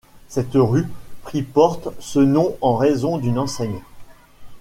Cette rue prit porte ce nom en raison d'une enseigne.